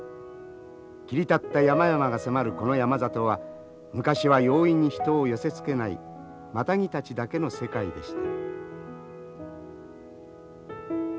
切り立った山々が迫るこの山里は昔は容易に人を寄せつけないマタギたちだけの世界でした。